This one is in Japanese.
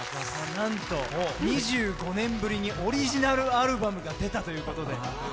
なんともう２５年ぶりにオリジナルアルバムが出たということで。